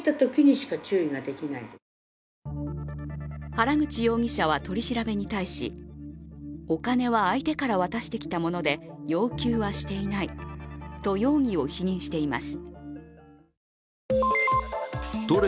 原口容疑者は取り調べに対し、お金は相手から渡してきたもので要求はしていないと容疑を否認しています。